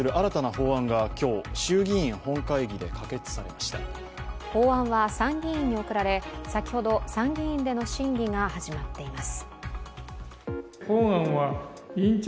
法案は参議院に送られ先ほど参議院での審議が始まっています。